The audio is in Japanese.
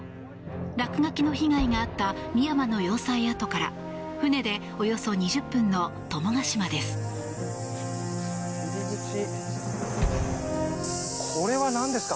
落書きの被害に遭った深山の要塞跡から船でおよそ２０分の友ヶ島です。